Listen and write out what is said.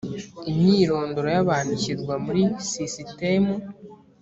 imyirondoro y ‘abantu ishyirwa muri sisitemu.